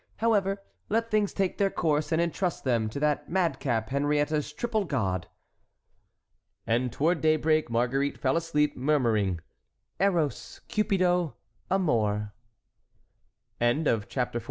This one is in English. However, let things take their course and entrust them to that madcap Henriette's triple god." And toward daybreak Marguerite fell asleep, murmuring: "Eros, Cupido, Amor." CHAPTER XV.